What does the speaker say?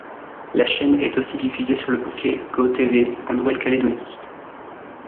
La chaîne est aussi diffusée sur le bouquet gotv en Nouvelle-Calédonie.